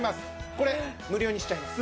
これ無料にしちゃいます。